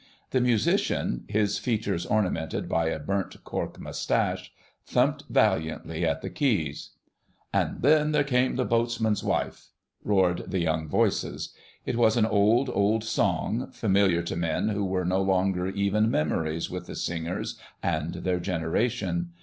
The musician, his features ornamented by a burnt cork moustache, thumped valiantly at the keys. "And then there came the Boatswain's Wife," roared the young voices. It was an old, old song, familiar to men who were no longer even memories with the singers and their generation.